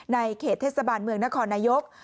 เขตเทศบาลเมืองนครนายก